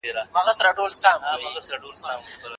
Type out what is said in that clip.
شتمني په بې ځایه لارو مصرف سوې ده.